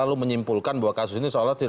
lalu menyimpulkan bahwa kasus ini seolah olah